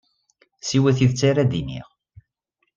Siwa tidet ara d-iniɣ.